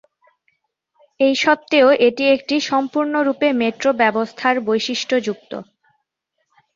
এই সত্ত্বেও, এটি একটি সম্পূর্ণরূপে মেট্রো ব্যবস্থার বৈশিষ্ট্য যুক্ত।